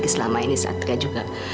selama ini satria juga